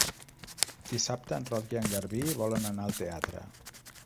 Dissabte en Roc i en Garbí volen anar al teatre.